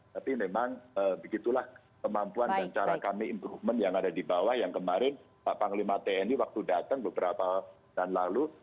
tapi memang begitulah kemampuan dan cara kami improvement yang ada di bawah yang kemarin pak panglima tni waktu datang beberapa tahun lalu